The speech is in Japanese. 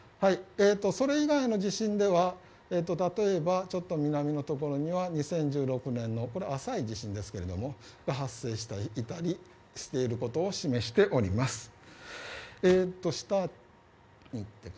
それ以外の地震では例えば、ちょっと南のところには２０１６年の浅い地震が発生していたりすることを示しております。